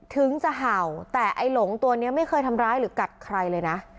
ถึงจะเห่าแต่ไอ้หลงตัวนี้ไม่เคยทำร้ายหรือกัดใครเลยนะ